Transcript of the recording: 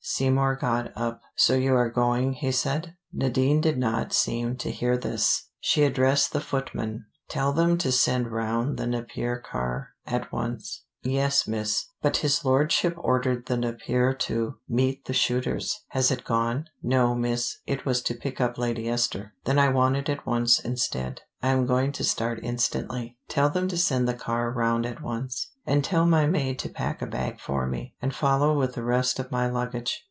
Seymour got up. "So you are going," he said. Nadine did not seem to hear this. She addressed the footman. "Tell them to send round the Napier car at once," she said. "Yes, Miss. But his lordship ordered the Napier to meet the shooters " "Has it gone?" "No, Miss: it was to pick up Lady Esther " "Then I want it at once, instead. I am going to start instantly. Tell them to send the car round at once. And tell my maid to pack a bag for me, and follow with the rest of my luggage."